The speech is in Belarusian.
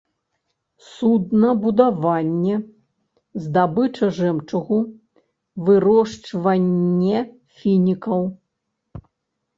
Суднабудаванне, здабыча жэмчугу, вырошчванне фінікаў.